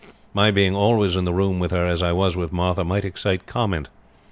My being always in the room with her as I was with Martha might excite comment.